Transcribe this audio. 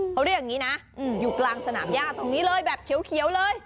เขาเรียกอย่างนี้นะอยู่กลางสนามย่าตรงนี้เลยแบบเขียวเลย